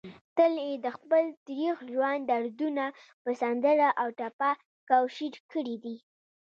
تل يې دخپل تريخ ژوند دردونه په سندره او ټپه کوشېر کړي دي